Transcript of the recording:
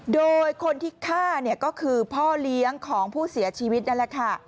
โดยคนที่ฆ่าเนี่ยก็คือพ่อเลี้ยงของผู้เสียชีวิตนั่นแหละค่ะ